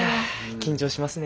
緊張しますね。